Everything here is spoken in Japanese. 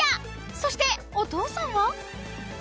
［そしてお父さんは］